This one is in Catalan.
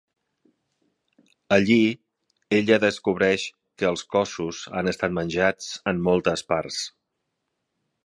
Allí, ella descobreix que els cossos han estat menjats en moltes parts.